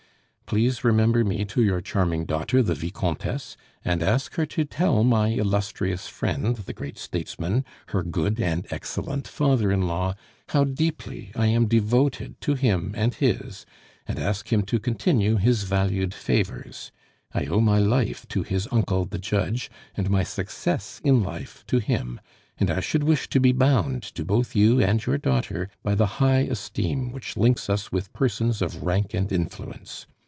Please remember me to your charming daughter the Vicomtesse, and ask her to tell my illustrious friend the great statesman, her good and excellent father in law, how deeply I am devoted to him and his, and ask him to continue his valued favors. I owe my life to his uncle the judge, and my success in life to him; and I should wish to be bound to both you and your daughter by the high esteem which links us with persons of rank and influence.